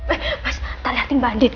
eh mas tak liatin mbak andin